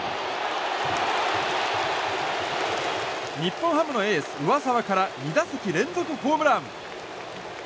日本ハムのエース、上沢から２打席連続ホームラン！